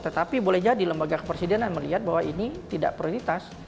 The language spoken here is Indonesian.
tetapi boleh jadi lembaga kepresidenan melihat bahwa ini tidak prioritas